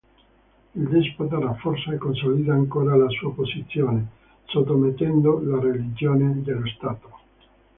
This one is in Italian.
Il despota rafforza e consolida ancora la sua posizione, sottomettendo la religione dello Stato.